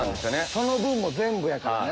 その分も全部やからね。